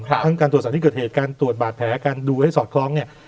ทั้งตัวสารที่เกิดเหตุการตรวจบาทแผลการดูสอดคล้อง